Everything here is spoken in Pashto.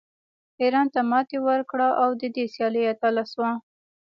ایران ته ماتې ورکړه او د دې سیالۍ اتله شوه